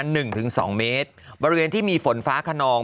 หนึ่งถึงสองเมตรบริเวณที่มีฝนฟ้าขนอง